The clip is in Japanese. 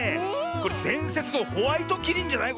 これでんせつのホワイトキリンじゃない？